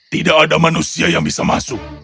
tidak ada manusia yang bisa masuk